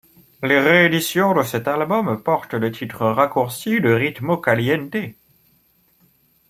Les rééditions de cet album portent le titre raccourci de Ritmo Caliente.